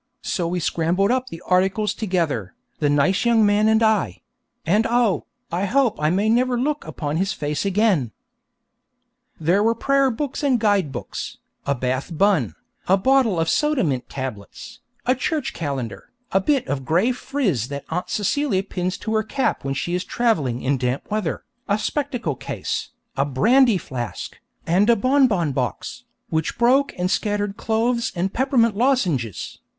So we scrambled up the articles together, the nice young man and I; and oh, I hope I may never look upon his face again. There were prayer books and guide books, a Bath bun, a bottle of soda mint tablets, a church calendar, a bit of gray frizz that Aunt Celia pins into her cap when she is travelling in damp weather, a spectacle case, a brandy flask, and a bon bon box, which broke and scattered cloves and peppermint lozenges.